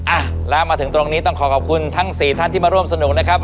อ่ะแล้วมาถึงตรงนี้ต้องขอขอบคุณทั้งสี่ท่านที่มาร่วมสนุกนะครับ